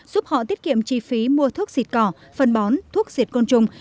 giúp họ tiết kiệm chi phí mua thuốc diệt cỏ phân bón thuốc diệt côn trùng